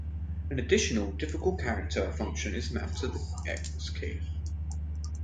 An additional, "difficult character" function is mapped to the X key.